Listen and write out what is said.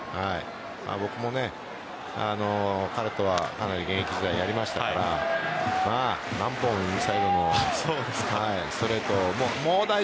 僕も彼とはかなり現役時代やりましたが何本インサイドのストレート